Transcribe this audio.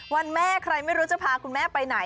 วันแม่ใครไม่รู้จะพาคุณแม่ไปไหน